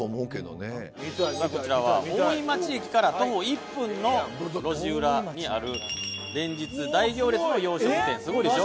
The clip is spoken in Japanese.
「こちらは大井町駅から徒歩１分の路地裏にある連日大行列の洋食店すごいでしょ？」